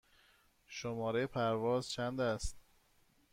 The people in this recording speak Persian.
شماره پرواز چند است؟